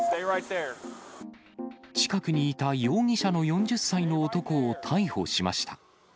近くにいた容疑者の４０歳の男を逮捕しました。